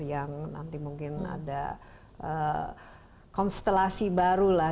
yang nanti mungkin ada konstelasi baru lah